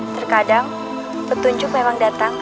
terkadang petunjuk memang datang